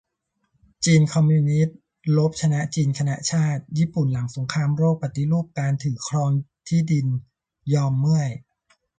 จีนคอมมิวนิสต์รบชนะจีนคณะชาติ ญี่ปุ่นหลังสงครามโลกปฏิรูปการถือครองที่ดิน ยอมเมื่อย